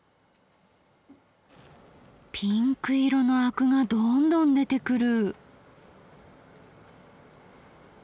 ピンク色のアクがどんどん出てくる。